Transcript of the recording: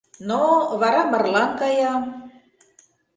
Но... вара марлан кая...